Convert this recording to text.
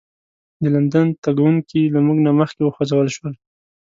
د لندن تګونکي له موږ نه مخکې وخوځول شول.